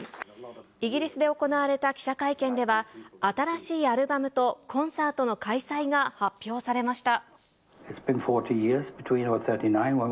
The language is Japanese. イギリスで行われた記者会見では、新しいアルバムとコンサートの開催が発表されました。